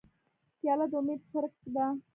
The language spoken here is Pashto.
پیاله د امید څرک ده.